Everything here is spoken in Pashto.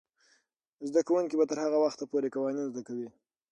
زده کوونکې به تر هغه وخته پورې قوانین زده کوي.